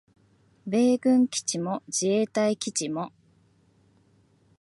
米軍基地も自衛隊基地も